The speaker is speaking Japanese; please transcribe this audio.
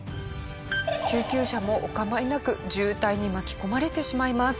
救急車もお構いなく渋滞に巻き込まれてしまいます。